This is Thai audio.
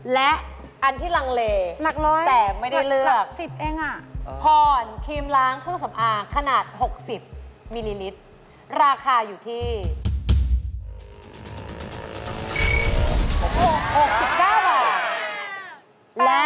และอันที่ลังเลแต่ไม่ได้เลือก๑๐เองผ่อนครีมล้างเครื่องสำอางขนาด๖๐มิลลิลิตรราคาอยู่ที่